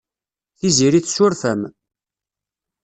Tiziri tessuref-am.